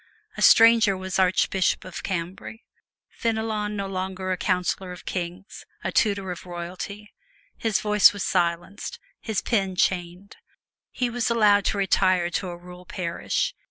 A stranger was Archbishop of Cambrai: Fenelon no longer a counselor of kings a tutor of royalty. His voice was silenced, his pen chained. He was allowed to retire to a rural parish.